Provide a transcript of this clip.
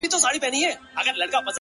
شراب نوشۍ کي مي له تا سره قرآن کړی دی ـ